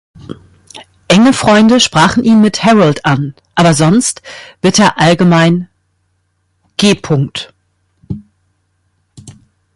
Enge Freunde sprachen ihn mit „Harold“ an, aber sonst wird er allgemein „G.